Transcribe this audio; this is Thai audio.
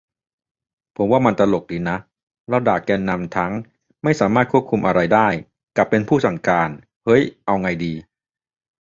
ผมว่ามันตลกดีนะ เราด่าแกนนำทั้ง "ไม่สามารถควบคุมอะไรได้" กับ "เป็นผู้สั่งการ" เฮ้ย เอาไงดี